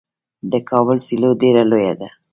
د کابل سیلو ډیره لویه ده.